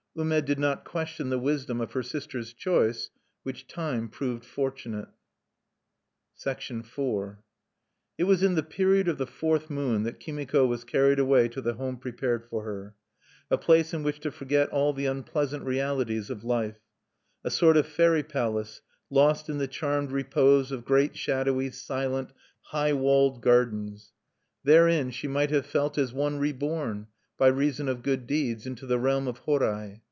Ume did not question the wisdom of her sister's choice, which time proved fortunate. IV It was in the period of the fourth moon that Kimiko was carried away to the home prepared for her, a place in which to forget all the unpleasant realities of life, a sort of fairy palace lost in the charmed repose of great shadowy silent high walled gardens. Therein she might have felt as one reborn, by reason of good deeds, into the realm of Horai.